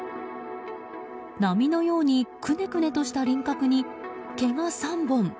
波のようにくねくねとした輪郭に毛が３本。